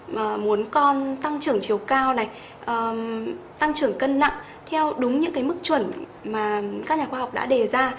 mà muốn con tăng trưởng chiều cao này tăng trưởng cân nặng theo đúng những cái mức chuẩn mà các nhà khoa học đã đề ra